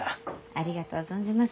ありがとう存じます。